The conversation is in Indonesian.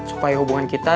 supaya hubungan kita